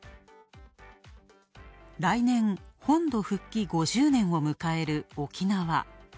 来年本土復帰５０年を迎える沖縄。